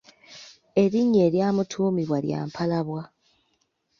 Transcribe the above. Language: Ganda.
Erinnya eryamutuumibwa lya Mpalabwa.